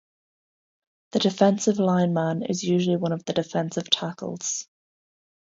The defensive lineman is usually one of the defensive tackles.